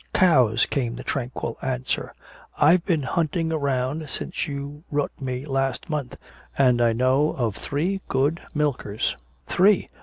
"Cows," came the tranquil answer. "I've been hunting around since you wrut me last month. And I know of three good milkers " "Three?